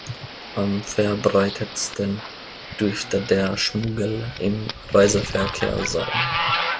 Am verbreitetsten dürfte der Schmuggel im Reiseverkehr sein.